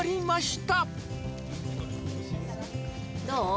どう？